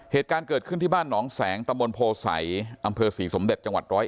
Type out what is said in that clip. เหตุการณ์เกิดขึ้นที่บ้านหนองแสงตะมนตโพสัยอำเภอศรีสมเด็จจังหวัด๑๐๑